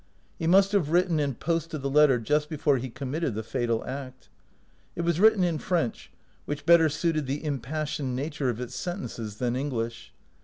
He must have written and posted the letter just before he committed the fatal act. It was written in French, which better suited the impassioned nature of its sentences than English.